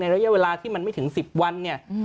ระยะเวลาที่มันไม่ถึง๑๐วันเนี่ย